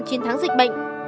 chiến thắng dịch bệnh